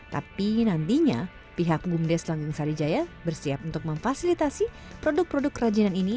tapi nantinya pihak bumdes langgeng sarijaya bersiap untuk memfasilitasi produk produk kerajinan ini